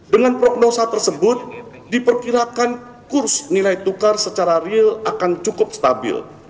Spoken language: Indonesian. dengan prognosa tersebut diperkirakan kurs nilai tukar secara real akan cukup stabil